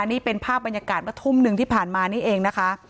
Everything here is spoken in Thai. นี่เป็นภาพบรรยากาศเมื่อทุ่มหนึ่งที่ผ่านมานี่เองนะคะ